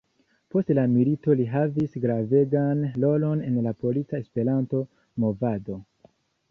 Post la milito li havis gravegan rolon en la polica Esperanto-movado.